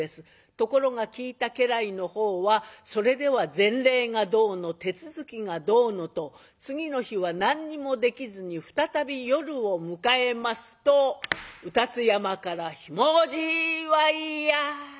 ところが聞いた家来のほうはそれでは前例がどうの手続きがどうのと次の日は何にもできずに再び夜を迎えますと卯辰山から「ひもじいわいや！」。